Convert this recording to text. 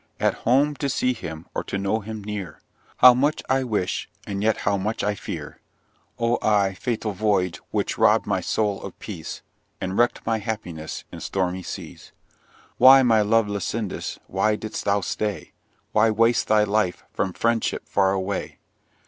At home to see him, or to know him near, How much I wish and yet how much I fear! Oh I fatal voyage! which robb'd my soul of peace And wreck'd my happiness in stormy seas! Why, my loved Lycidas, why did'st thou stay, Why waste thy life from friendship far away?